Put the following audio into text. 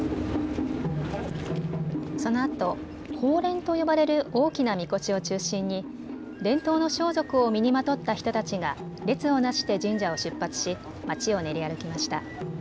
そのあと鳳輦と呼ばれる大きなみこしを中心に伝統の装束を身にまとった人たちが行列をなして神社を出発し街を練り歩きました。